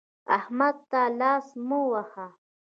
احمده! ته لاس مه په وهه.